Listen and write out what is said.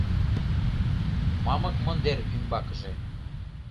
Мамык мындер ӱмбакыже